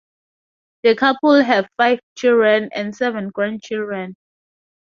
The couple have five children and seven grandchildren.